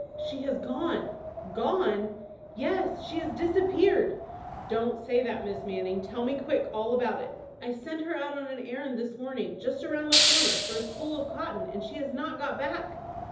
"She has gone." "Gone!" "Yes, she has disappeared." "Don't say that, Miss Manning. Tell me quick all about it." "I sent her out on an errand this morning, just around the corner, for a spool of cotton, and she has not got back."